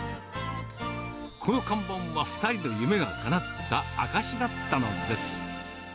この看板は２人の夢がかなった証しだったのです。